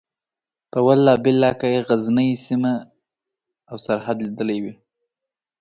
په والله بالله که یې غزنۍ سیمه او سرحد لیدلی وي.